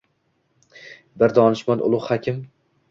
Bir donishmand ulug’ hakim